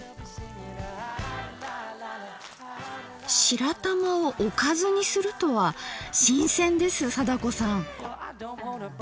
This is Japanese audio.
白玉をおかずにするとは新鮮です貞子さん。